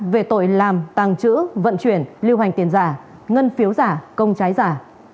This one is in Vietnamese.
về tội làm tàng trữ vận chuyển lưu hành tiền giả ngân phiếu giả công trái giả